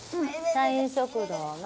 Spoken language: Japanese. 社員食堂の。